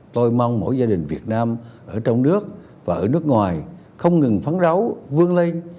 tôi mong mỗi gia đình việt nam ở trong nước và ở nước ngoài không ngừng phán ráo vương lây